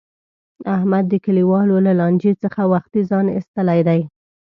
احمد د کلیوالو له لانجې څخه وختي ځان ایستلی دی.